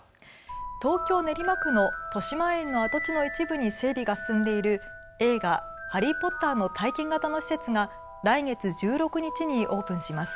東京練馬区のとしまえんの跡地の一部に整備が進んでいる映画、ハリー・ポッターの体験型の施設が来月１６日にオープンします。